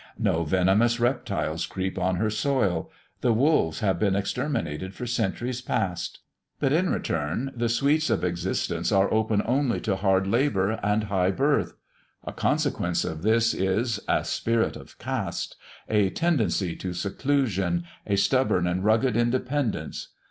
No venomous reptiles creep on her soil; the wolves have been exterminated for centuries past. But in return, the sweets of existence are open only to hard labour and high birth. A consequence of this is, a spirit of caste, a tendency to seclusion, a stubborn and rugged independence.